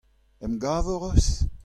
Emgav hoc'h eus ?